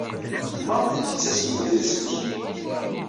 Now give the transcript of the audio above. Maɣef ay d-yettas Yidir zik?